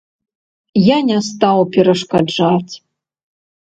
Я не стаў перашкаджаць.